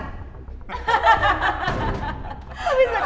tapi gak kebakar